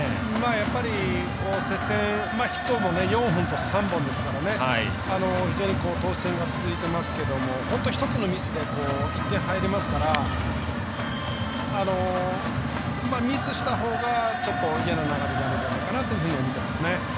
やっぱり、接戦ヒットも、４本と３本ですから非常に投手戦が続いていますけども本当に１つのミスで１点入りますからミスしたほうがちょっと嫌な流れになるんじゃないかと思ってますね。